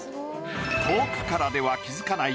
遠くからでは気付かない